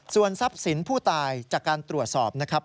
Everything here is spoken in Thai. ส่วนทรัพย์สินผู้ตายจากการตรวจสอบนะครับ